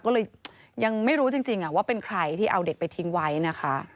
ก็เลยยังไม่รู้จริงว่าเป็นใครที่เอาเด็กไปทิ้งไว้นะคะ